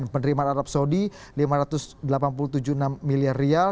penerimaan arab saudi lima ratus delapan puluh tujuh puluh enam miliar